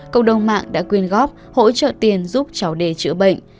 cộng đồng mạng đã quyên góp hỗ trợ tiền giúp cháu đề chữa bệnh